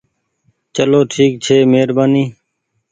چلو ٺيڪ ڇي مهربآني ۔